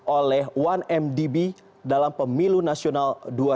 oleh satu mdb dalam pemilu nasional dua ribu dua puluh